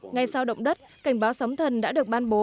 ngay sau động đất cảnh báo sóng thần đã được ban bố